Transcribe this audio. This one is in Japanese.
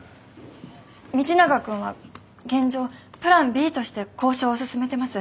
道永君は現状プランＢとして交渉を進めてます。